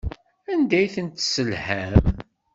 Anda ay ten-tesselham?